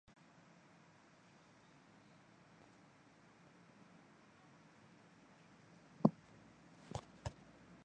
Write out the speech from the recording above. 大学时代所属落语研究会。